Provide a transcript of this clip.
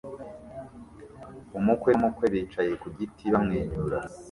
Umukwe n'umukwe bicaye ku giti bamwenyura